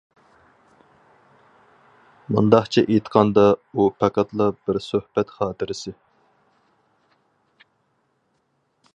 مۇنداقچە ئېيتقاندا، ئۇ پەقەتلا بىر سۆھبەت خاتىرىسى.